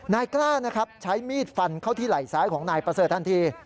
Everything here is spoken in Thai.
นายกล้านะครับใช้มีดฟันเข้าที่ไหล่ซ้ายของนายประเสริฐทันที